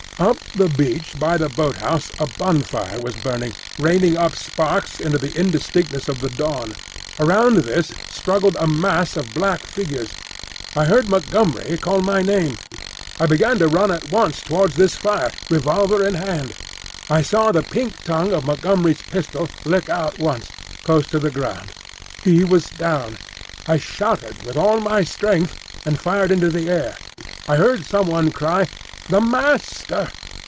Up the beach by the boathouse a bonfire was burning, raining up sparks into the indistinctness of the dawn. Around this struggled a mass of black figures. I heard Montgomery call my name. I began to run at once towards this fire, revolver in hand. I saw the pink tongue of Montgomery's pistol lick out once, close to the ground. He was down. I shouted with all my strength and fired into the air. I heard some one cry, "The Master!"